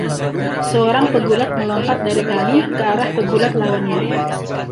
Seorang pegulat melompat dari tali ke arah pegulat lawannya.